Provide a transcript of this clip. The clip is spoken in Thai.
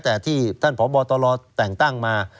แต่ที่ท่านพบตรแต่งตั้งมา